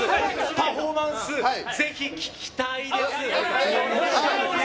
パフォーマンスぜひ聞きたいです。